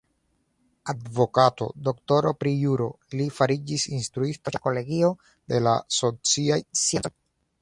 Advokato, doktoro pri juro, li fariĝis instruisto ĉe la kolegio de la sociaj sciencoj.